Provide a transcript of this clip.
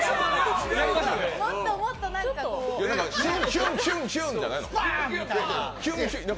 ヒュン、ヒュン、ヒュンじゃないの？